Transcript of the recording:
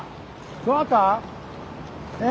どなた？え？